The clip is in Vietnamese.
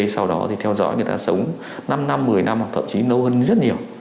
sau đó thì theo dõi người ta sống năm năm một mươi năm hoặc thậm chí nâu hơn rất nhiều